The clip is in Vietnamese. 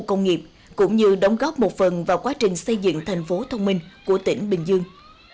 công nghiệp cũng như đóng góp một phần vào quá trình xây dựng thành phố thông minh của tỉnh bình dương